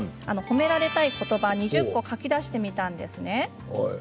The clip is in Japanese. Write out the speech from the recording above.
褒められたいことばを２０個書き出してみたんですね。